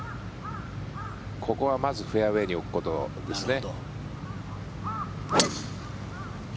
ここはまずフェアウェーに置くことですね。